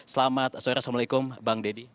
selamat sore assalamualaikum bang deddy